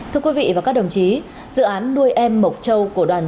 thưa quý vị và các đồng chí